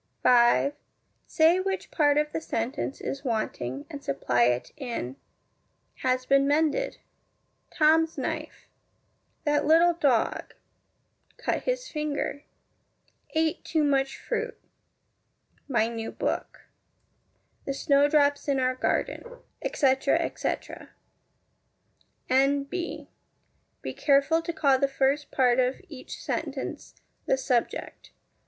5. Say which part of the sentence is wanting, and supply it in Has been mended Tom's knife That little dog Cut his finger Ate too much fruit My new book The snowdrops in our garden, etc., etc. N.B. Be careful to call the first part of each sentence the subject.